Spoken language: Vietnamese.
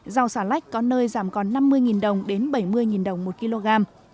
rau xà lách có nơi giảm còn năm mươi đồng đến bảy mươi đồng một kg